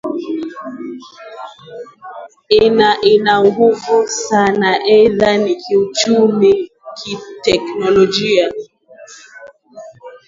ina ina nguvu sana either nikiuchumi kitechnologia